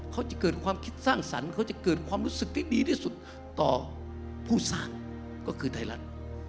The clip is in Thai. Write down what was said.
เขาจะเกิดความคิดสร้างสรรค์เขาจะเกิดความรู้สึกที่ดีที่สุดต่อผู้สร้างก็คือไทยรัฐ